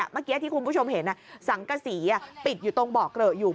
เมื่อกี้ที่คุณผู้ชมเห็นสังกษีติดอยู่ตรงเบาะเกลอะอยู่